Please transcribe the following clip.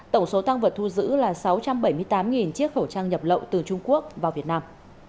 tổng số tăng vật thu giữ là sáu trăm bảy mươi tám chiếc khẩu trang nhập lậu từ trung quốc vào việt nam